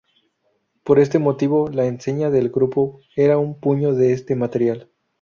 Por este motivo, la enseña del grupo era un puño de este material.